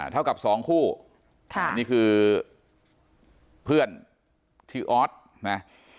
เท่ากับสองคู่นี่คือเพื่อนที่อ๊อตนะ